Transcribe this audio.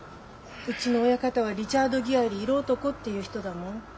「うちの親方はリチャード・ギアより色男」って言う人だもん。